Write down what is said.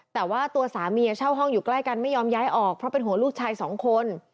แต่ว่าตัวสามีเช่าห้องอยู่ใกล้กันไม่ยอมย้ายออกเพราะเป็นห่วงลูกชายสองคน